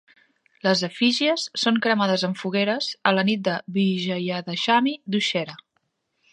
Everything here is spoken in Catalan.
Les efígies són cremades en fogueres a la nit de Vijayadashami-Dussehra.